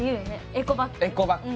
エコバッグ。